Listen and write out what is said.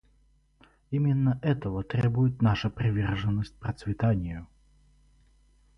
Именно этого требует наша приверженность процветанию.